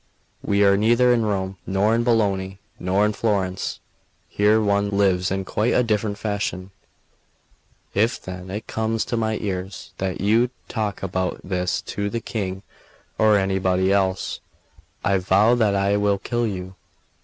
We are neither in Rome, nor in Bologna, nor in Florence; here one lives in quite a different fashion; if then it comes to my ears that you talk about this to the King or anybody else, I vow that I will kill you.